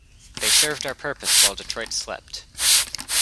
They served our purpose while Detroit slept.